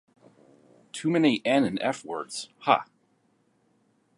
Too many N and F Words, ha?